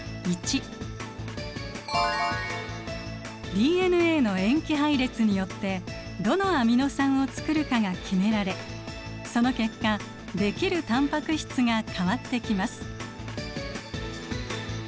ＤＮＡの塩基配列によってどのアミノ酸をつくるかが決められその結果できるタンパク質が変わってきます。